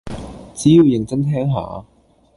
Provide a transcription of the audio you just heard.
只要認真聽下